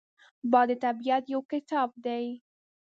باد د طبیعت یو کتاب دی